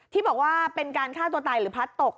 ที่บอกว่าเป็นการฆ่าตัวตายหรือพัดตก